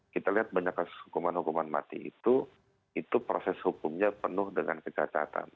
kita lihat banyak kasus hukuman hukuman mati itu itu proses hukumnya penuh dengan kecacatan